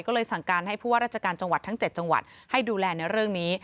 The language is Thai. ก็เลยสั่งการให้ผู้ว่าราชการจังหวัดทั้ง๗จังหวัดให้ดูแลในเรื่องนี้